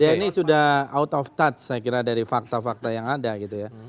ya ini sudah out of touch saya kira dari fakta fakta yang ada gitu ya